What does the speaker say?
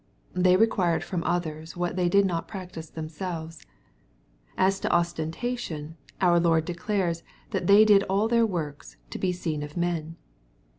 They required from others what they did not practice themselves. — ^As to ostentation, our Lord declares that they did all their works " to be seen of men."